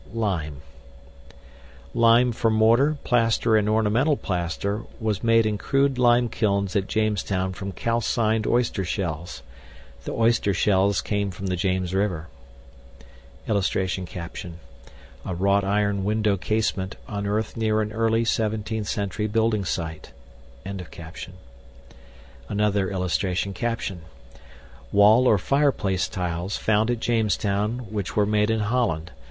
LIME Lime for mortar, plaster, and ornamental plaster was made in crude lime kilns at Jamestown from calcined oyster shells. The oyster shells came from the James River. [Illustration: A WROUGHT IRON WINDOW CASEMENT UNEARTHED NEAR AN EARLY 17TH CENTURY BUILDING SITE.] [Illustration: WALL OR FIREPLACE TILES FOUND AT JAMESTOWN WHICH WERE MADE IN HOLLAND.